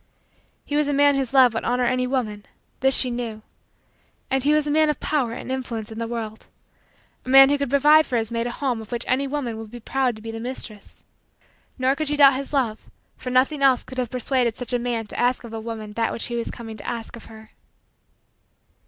He was a man whose love would honor any woman this she knew. And he was a man of power and influence in the world a man who could provide for his mate a home of which any woman would be proud to be the mistress. Nor could she doubt his love for nothing else could have persuaded such a man to ask of a woman that which he was coming to ask of her.